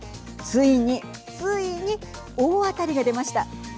ついに、ついに大当たりが出ました。